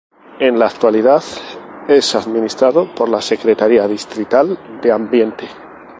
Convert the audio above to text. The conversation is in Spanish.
En la actualidad es administrado por la Secretaría Distrital de Ambiente.